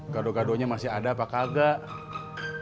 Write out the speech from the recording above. gado gadonya masih ada apa kagak